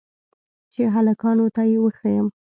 چې هلکانو ته يې وښييم.